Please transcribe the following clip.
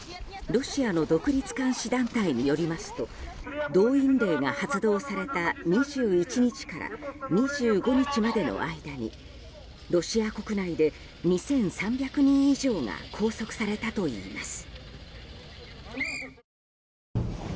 ロシアの独立監視団体によりますと動員令が発動された２１日から２５日までの間にロシア国内で２３００人以上が拘束されたといいます。